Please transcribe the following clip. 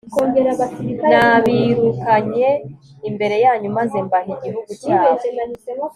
nabirukanye imbere yanyu maze mbaha igihugu cyabo